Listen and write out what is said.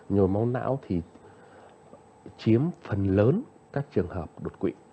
nhồi máu não thì chiếm phần lớn các trường hợp đột quỵ